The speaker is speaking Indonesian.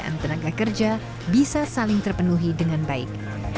dan juga untuk membuat keuntungan dan tenaga kerja bisa saling terpenuhi dengan baik